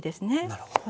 なるほど。